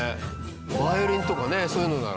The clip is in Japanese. バイオリンとかねそういうのならね